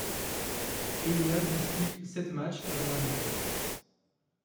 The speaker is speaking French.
Henia dispute sept matchs avant l'indépendance.